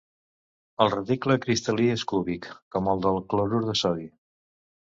El reticle cristal·lí és cúbic, com el del clorur de sodi.